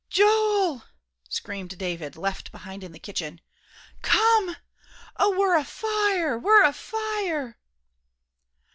"Joel!" screamed David, left behind in the kitchen. "Come! Oh, we're afire! We're afire!"